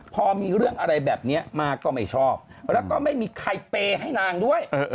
พอมีเรื่องอะไรแบบนี้มาก็ไม่ชอบแล้วก็ไม่มีใครเปย์ให้นางด้วย